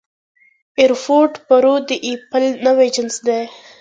اېرفوډ پرو د اېپل نوی جنس دی